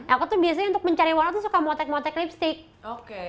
aku tuh biasanya untuk mencari warna tuh suka motek motek lipstick oke